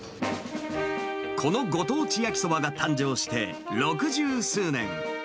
このご当地焼きそばが誕生して六十数年。